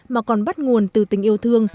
mà còn bắt nguồn từ tình yêu thương